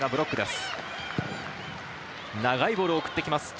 長いボールを送ってきます。